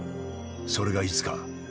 それがいつか。